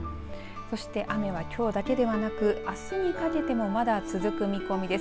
そして雨はきょうだけではなくあすにかけてもまだ続く見込みです。